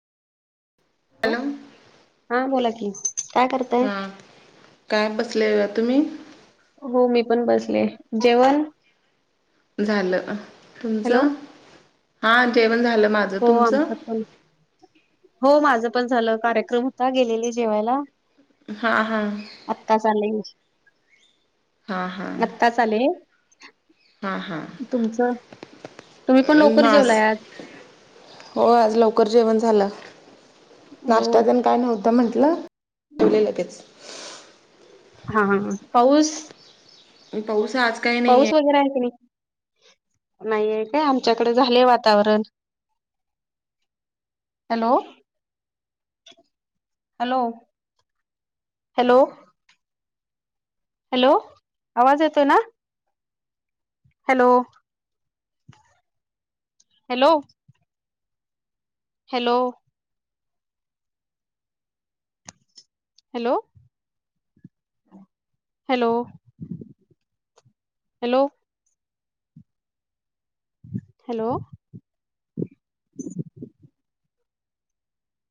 Hello हा बोला की काय करताय? हां काय बसले होया तुम्ही हो मी पण बसले जेवण झालं हॅलो तुमचं हां जेवण झालं माझं हो तुमचं आमचं हो माझं पण झालं कार्यक्रम होता गेलेली जेवायला हा हा आत्ता आले हां आत्ता चाले हा हा तुम्ही पण लवकर मास जेवलाय आज हो आज लवकर जेवण झालं हो नाश्त्यातन काय नव्हत म्हटलं ठले लगेच हा हा पाऊस पावसा आजका पाऊस वगैरे आहे की नाही नाही आहे काय आमच्याकडे झालेय वातावरण हॅलो हॅलो हॅलो हॅलो आवाज येतोय ना. Hello hello hello hello hello hello hello